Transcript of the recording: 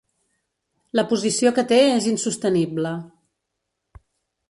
La posició que té és insostenible.